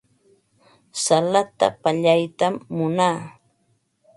Salata pallaytam munaa.